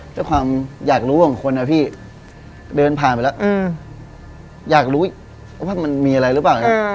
แล้วความอยากรู้ของคนก็เดินผ่านไปแล้ว